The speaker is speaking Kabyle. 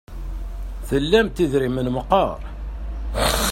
Tlamt idrimen meqqar?